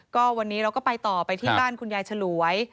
ก็วันนี้เราก็ไปต่อไปที่บ้านคุณยายฉลวย